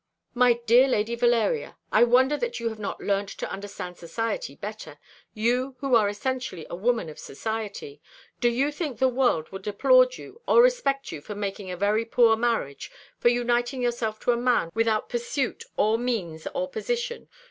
"My dear Lady Valeria, I wonder that you have not learnt to understand society better you, who are essentially a woman of society. Do you think the world would applaud you or respect you for making a very poor marriage for uniting yourself to a man without pursuit or means or position?